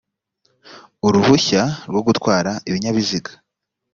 uruhushya rwo gutwara ibinyabiziga